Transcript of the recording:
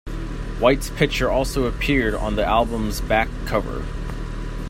White's picture also appeared on the album's back cover.